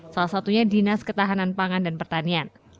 salah satunya dinas ketahanan pangan dan pertanian